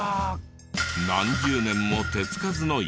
何十年も手つかずの山。